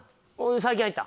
最近入った？